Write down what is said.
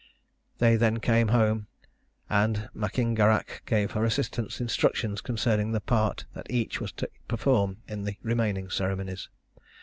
They then came home, and M'Ingarach gave her assistants instructions concerning the part that each was to perform in the remaining ceremonies.